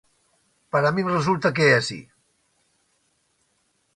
Para min resulta que é así.